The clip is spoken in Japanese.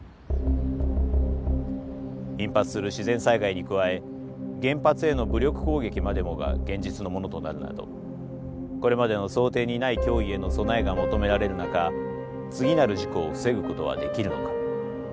頻発する自然災害に加え原発への武力攻撃までもが現実のものとなるなどこれまでの想定にない脅威への備えが求められる中次なる事故を防ぐことはできるのか。